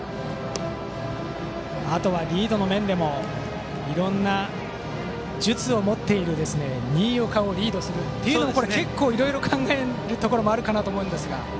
あとはリードの面でもいろいろな術を持っている新岡をリードするというのはこれは結構、いろいろ考えるところもあるかと思いますが。